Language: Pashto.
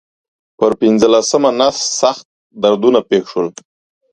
پر پنځلسمه نس سخت دردونه پېښ شول.